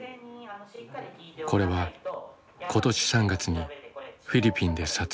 これは今年３月にフィリピンで撮影されたという映像だ。